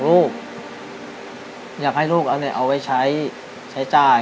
พ่อผมจะช่วยพ่อผมจะช่วยพ่อผมจะช่วยพ่อผมจะช่วยพ่อผมจะช่วย